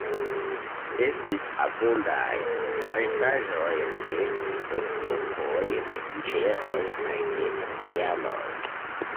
Estis abundaj la restaĵoj de epokoj de iberoj kaj de romianoj.